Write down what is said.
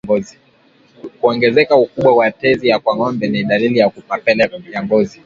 Kuongezeka ukubwa wa tezi kwa ngombe ni dalili ya mapele ya ngozi